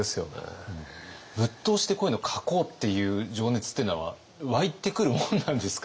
ぶっ通しでこういうのを描こうっていう情熱っていうのは湧いてくるもんなんですか？